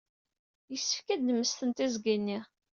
Yessefk ad nemmesten tiẓgi-nni.